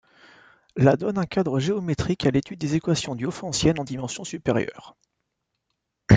La donne un cadre géométrique à l'étude des équations diophantiennes en dimensions supérieures.